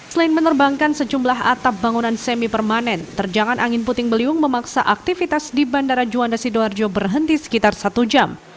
selain menerbangkan sejumlah atap bangunan semi permanen terjangan angin puting beliung memaksa aktivitas di bandara juanda sidoarjo berhenti sekitar satu jam